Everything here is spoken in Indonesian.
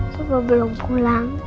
papa belum pulang